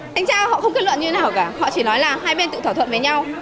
thanh tra họ không kết luận như thế nào cả họ chỉ nói là hai bên tự thỏa thuận với nhau